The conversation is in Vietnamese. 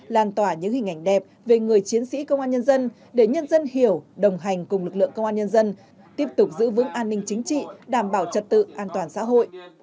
làn tỏa những hình ảnh đẹp về người chiến sĩ công an nhân dân để nhân dân hiểu đồng hành cùng lực lượng công an nhân dân tiếp tục giữ vững an ninh chính trị đảm bảo trật tự an toàn xã hội